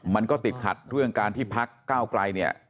มันก็ติดขัดเรื่องการที่พักก้าวไกลเนี่ย